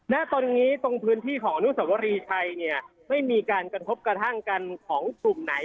ณตอนนี้ตรงพื้นที่ของอนุสวรีชัยเนี่ยไม่มีการกระทบกระทั่งกันของกลุ่มไหน